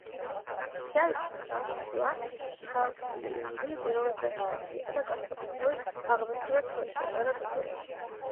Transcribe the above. ჟან-ფრანსუა შამპოლიონი მეოჯახე კაცი იყო და განსაკუთრების აღმერთებდა თავის პატარა გოგონას.